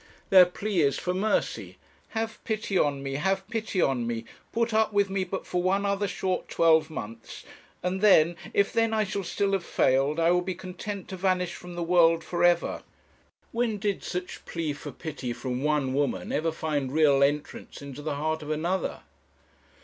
Their plea is for mercy 'Have pity on me, have pity on me; put up with me but for one other short twelve months; and then, if then I shall still have failed, I will be content to vanish from the world for ever.' When did such plea for pity from one woman ever find real entrance into the heart of another?